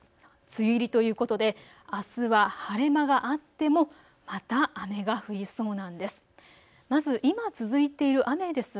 梅雨入りということであすは晴れ間があってもまた雨が降りそうなんです。